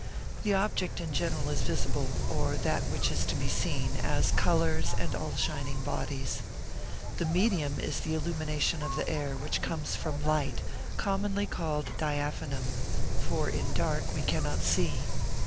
The object in general is visible, or that which is to be seen, as colours, and all shining bodies. The medium is the illumination of the air, which comes from light, commonly called diaphanum; for in dark we cannot see.